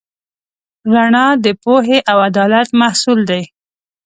رڼا د پوهې او عدالت محصول دی.